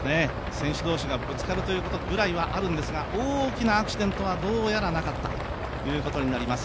選手同士がぶつかるということぐらいはあるんですが大きなアクシデントはなかったということです。